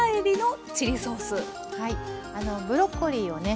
ブロッコリーをね